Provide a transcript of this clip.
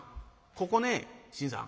ここね信さん